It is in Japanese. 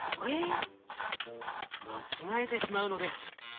間違えてしまうのです。